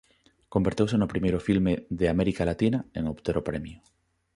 Converteuse no primeiro filme de América Latina en obter o premio.